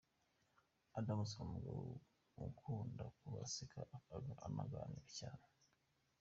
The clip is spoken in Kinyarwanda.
Adams ni umugabo ukunda kuba aseka anaganira cyane.